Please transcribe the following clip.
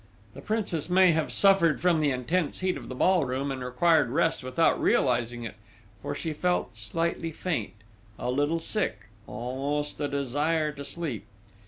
The Princess may have suffered from the intense heat of the ball room, and required rest without realising it, for she felt slightly faint, a little sick almost a desire to sleep....